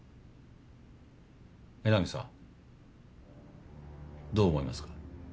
江波さんどう思いますか？